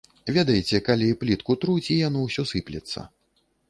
Ведаеце, калі плітку труць, і яно ўсё сыплецца.